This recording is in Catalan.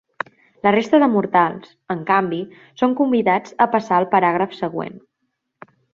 La resta de mortals, en canvi, són convidats a passar al paràgraf següent.